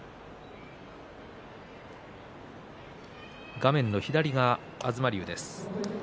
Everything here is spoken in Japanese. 画面の左側が東龍です。